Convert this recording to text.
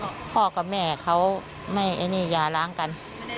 พ่อกับแม่เขาไม่ไอ้นี่อย่าล้างกัน